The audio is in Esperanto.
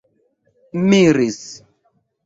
miris